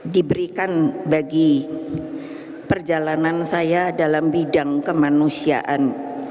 diberikan bagi perjalanan saya dalam bidang kemanusiaan